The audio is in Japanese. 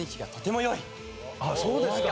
あっそうですか？